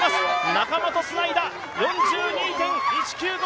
仲間とつないだ４２．１９５